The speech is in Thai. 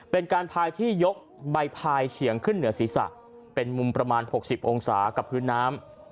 เป็นการพายที่ยกใบพายเฉียงขึ้นเหนือศีรษะเป็นมุมประมาณ๖๐องศากับพื้นน้ำ